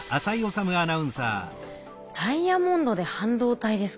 ダイヤモンドで半導体ですか。